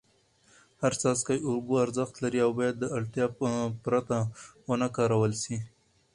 هر څاڅکی اوبه ارزښت لري او باید د اړتیا پرته ونه کارول سي.